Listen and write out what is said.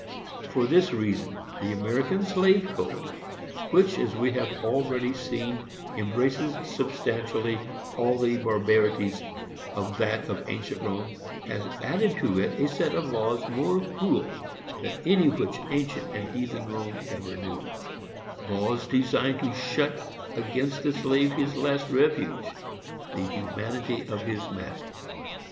For this reason, the American slave code, which, as we have already seen, embraces, substantially, all the barbarities of that of ancient Rome, has had added to it a set of laws more cruel than any which ancient and heathen Rome ever knew,—laws designed to shut against the slave his last refuge,—the humanity of his master.